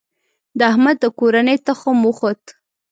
د احمد د کورنۍ تخم وخوت.